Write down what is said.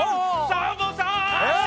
サボさん！